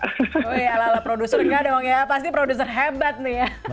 wih ala ala produser nggak dong ya pasti produser hebat nih ya